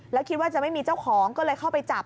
แล้วคิดว่าจะไม่มีเจ้าของก็เลยเข้าไปจับ